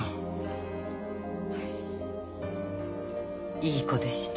はいいい子でした。